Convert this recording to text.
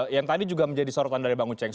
yang tadi juga menjadi sorotan dari bang uceng